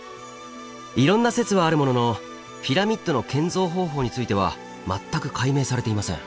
いろんな説はあるもののピラミッドの建造方法については全く解明されていません。